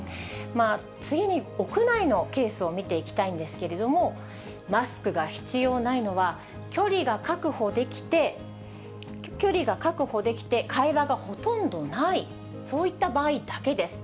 次に屋内のケースを見ていきたいんですけれども、マスクが必要ないのは、距離が確保できて、会話がほとんどない、そういった場合だけです。